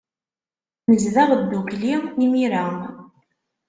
Nezdeɣ ddukkli imir-a.